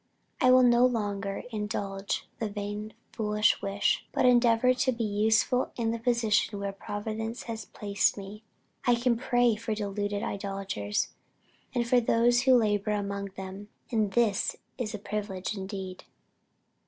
I will no longer indulge the vain foolish wish, but endeavor to be useful in the position where Providence has placed me. I can pray for deluded idolaters, and for those who labor among them, and this is a privilege indeed."